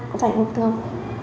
có phải không thưa ông